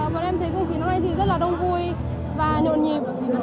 mọi người em thấy không khí hôm nay rất là đông vui và nhộn nhịp